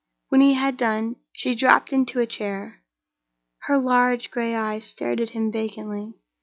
When he had done, she dropped into a chair. Her large gray eyes stared at him vacantly.